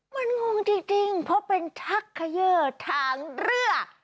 มันงงจริงเพราะเป็นชักเขย่อทางเรือ